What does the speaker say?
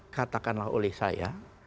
katakanlah oleh saya